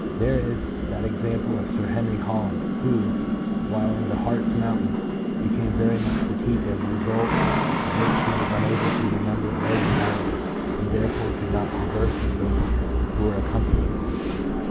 There is that example of Sir Henry Holland, who, while in the Hartz Mountains, became very much fatigued, as a result of which he was unable to remember a word of German, and therefore could not converse with those who were accompanying him.